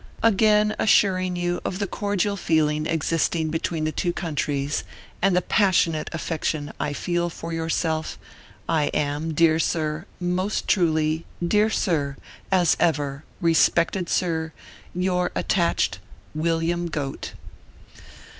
Again assuring you of the cordial feeling existing between the two countries, and the passionate affec tion I feel for yourself, I am, dear sir, most truly, dear sir, as ever, respected sir, your attached WILLIAM G OAT.